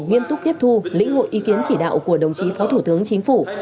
nghiêm túc tiếp thu lĩnh hội ý kiến chỉ đạo của đồng chí phó thủ tướng chính phủ